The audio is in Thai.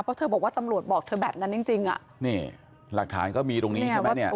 เพราะเธอบอกว่าตำรวจบอกเธอแบบนั้นจริงจริงอ่ะนี่หลักฐานก็มีตรงนี้ใช่ไหมเนี่ย